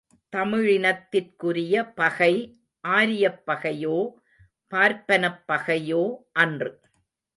தமிழினத்திற்குரிய பகை ஆரியப்பகையோ பார்ப்பனப் பகையோ அன்று.